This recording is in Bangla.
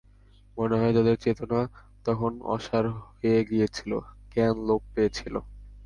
মনে হয়, তাঁদের চেতনা তখন অসার হয়ে গিয়েছিল, জ্ঞান লোপ পেয়েছিল।